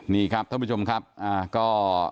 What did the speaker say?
นี่ครับท่านผู้ชมครับก็